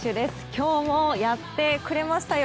今日もやってくれましたよ！